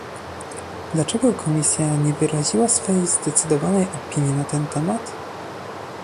Dlaczego Komisja nie wyraziła swej zdecydowanej opinii na ten temat?